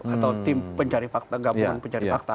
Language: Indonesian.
atau tim pencari fakta gabungan pencari fakta